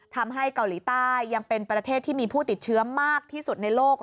ทำให้เกาหลีใต้ยังเป็นประเทศที่มีผู้ติดเชื้อมากที่สุดในโลก